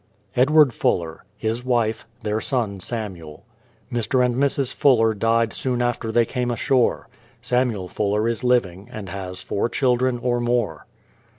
EDWARD FULLER; his wife; their son, Samuel. Mr. and Mrs. Fuller died soon after they came ashore. Samuel Fuller is living, and has four children, or more.